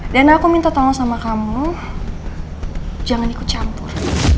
dan aku minta tolong sama kamu jangan ikut campur